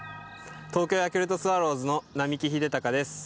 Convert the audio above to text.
東京ヤクルトスワローズの並木秀尊です。